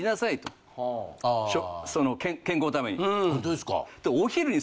その健康のために。